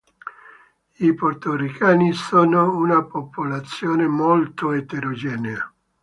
I portoricani sono una popolazione molto eterogenea.